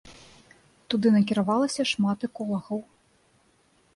Туды накіравалася шмат эколагаў.